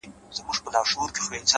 هغه چي هيڅو نه لري په دې وطن کي!!